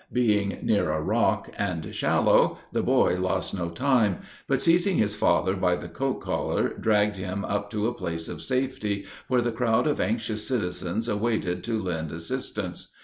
Being near a rock, and shallow, the boy lost no time, but seizing his father by the coat collar, dragged him up to a place of safety, where the crowd of anxious citizens awaited to lend assistance.